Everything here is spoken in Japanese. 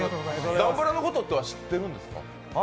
ダンブラのことは知ってるんですか？